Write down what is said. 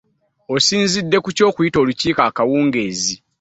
Osinzidde kuki okyita olukiiko luno akawungeezi?